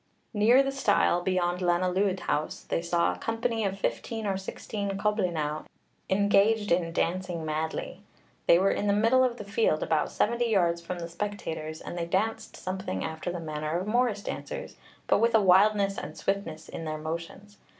Near the stile beyond Lanelwyd House they saw a company of fifteen or sixteen coblynau engaged in dancing madly. They were in the middle of the field, about seventy yards from the spectators, and they danced something after the manner of Morris dancers, but with a wildness and swiftness in their motions.